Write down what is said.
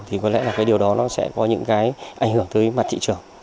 thì có lẽ là cái điều đó nó sẽ có những cái ảnh hưởng tới mặt thị trường